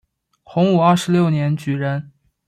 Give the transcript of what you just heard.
洪武二十六年举人。